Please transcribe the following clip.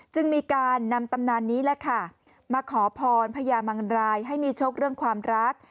จึงมีการนำตำนานนี้แหละค่ะมาขอพรพญามังรายให้มีโชคเรื่องความรัก